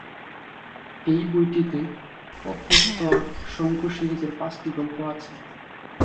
এই বইটিতে প্রোফেসর শঙ্কু সিরিজের পাঁচটি গল্প আছে।